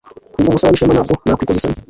ndi umusore w'ishema ntabwo nakwikoza isoni